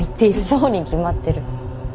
そうに決まってる。